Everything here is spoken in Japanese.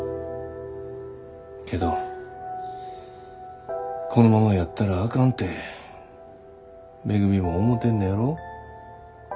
けどこのままやったらあかんてめぐみも思てんねやろ。